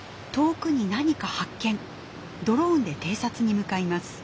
ドローンで偵察に向かいます。